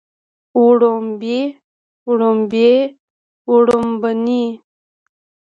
وړومبي وړومبۍ وړومبنۍ